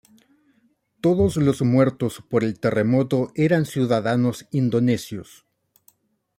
Todos los muertos por el terremoto eran ciudadanos indonesios.